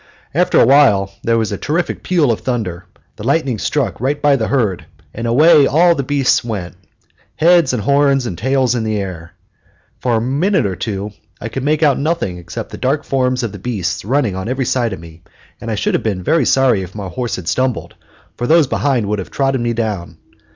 After a while there was a terrific peal of thunder, the lightning struck right by the herd, and away all the beasts went, heads and horns and tails in the air. For a minute or two I could make out nothing except the dark forms of the beasts running on every side of me, and I should have been very sorry if my horse had stumbled, for those behind would have trodden me down.